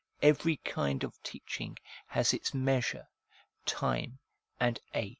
Every kind of teaching has its measure, time, and age.